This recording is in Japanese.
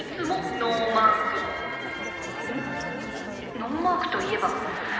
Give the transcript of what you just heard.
ノーマークといえば